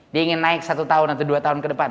dia ingin naik satu tahun atau dua tahun ke depan